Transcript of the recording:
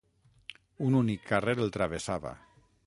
Un únic carrer el travessava.